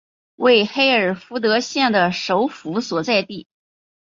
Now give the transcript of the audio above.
为黑尔福德县的首府所在地。